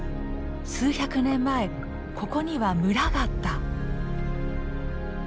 数百年前ここには村があった。